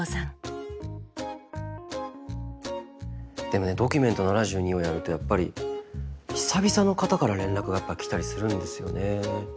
でもね「ドキュメント７２」をやるとやっぱり久々の方から連絡がやっぱ来たりするんですよね。